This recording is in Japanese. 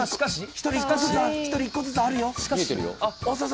１人１個ずつあるよ。